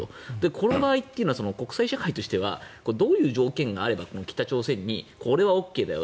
この場合というのは国際社会としてはどういう条件があれば北朝鮮にこれはＯＫだよ